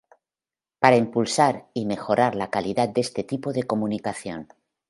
Para impulsar y mejorar la calidad de este tipo de comunicación.